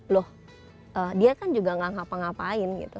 loh dia kan juga gak ngapa ngapain gitu